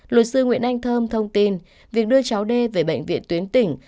luật sư nguyễn anh thơm thông tin việc đưa cháu đê về bệnh viện tuyến tỉnh